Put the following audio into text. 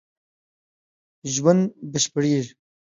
ژوند بشپړېږي